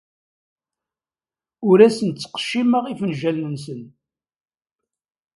Ur asen-ttqeccimeɣ ifenjalen-nsen.